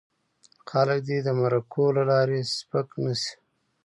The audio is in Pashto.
خلک دې د مرکو له لارې سپک نه شي.